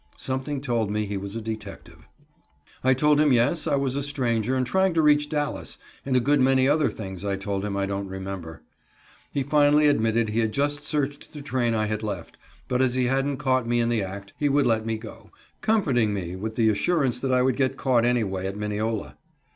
Something told me he was a detective. I told him yes, I was a stranger and trying to reach Dallas, and a good many other things I told him I don't remember. He finally admitted he had just searched the train I had left, but as he hadn't caught me in the act, he would let me go, comforting me with the assurance that I would get caught anyway at Mineola.